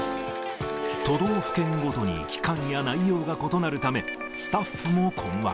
都道府県ごとに期間や内容が異なるため、スタッフも困惑。